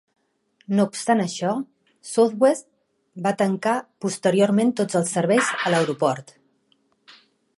No obstant això, Southwest va tancar posteriorment tot els serveis a l'aeroport.